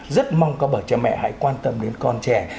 rất mong các bậc cha mẹ hãy quan tâm đến con trẻ